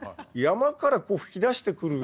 山からこう吹き出してくる。